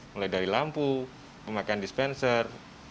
mulai dari lampu pemakaian dispenser